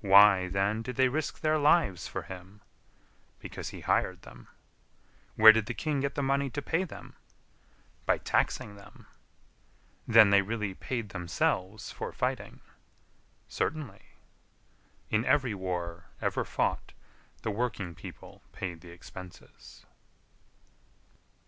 Why, then, did they risk their lives for him? Because he hired them. Where did the king get the money to pay them? By taxing them. Then they really paid themselves for fighting? Certainly. In every war ever fought the working people paid the expenses.